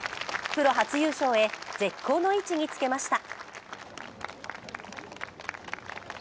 プロ初優勝へ絶好の位置につけました。